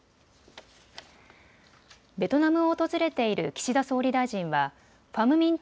ベトナムを訪れている岸田総理大臣はファム・ミン・